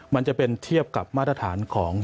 มันจะเป็นเทียบกับมาตรฐานของ